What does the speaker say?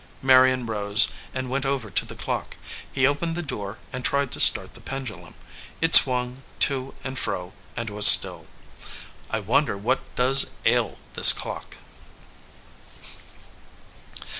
Marion rose and went over to the clock. He opened the door and tried to start the pendulum. It swung to and fro, and was still. "I wonder what does ail this clock."